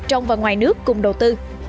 trong và ngoài nước cùng đầu tư